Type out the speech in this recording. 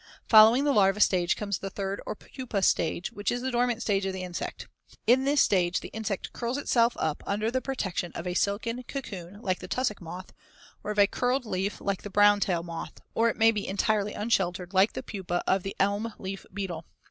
Following the larva stage comes the third or pupa stage, which is the dormant stage of the insect. In this stage the insect curls itself up under the protection of a silken cocoon like the tussock moth, or of a curled leaf like the brown tail moth, or it may be entirely unsheltered like the pupa of the elm leaf beetle.